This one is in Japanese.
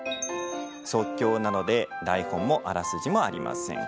即興なので台本もあらすじも、ありません。